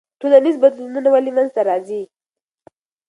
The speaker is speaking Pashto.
ټولنیز بدلونونه ولې منځ ته راځي؟